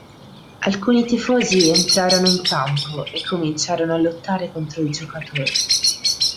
Alcuni tifosi entrarono in campo e cominciarono a lottare contro i giocatori.